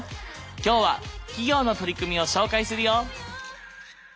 今日は企業の取り組みを紹介するよ！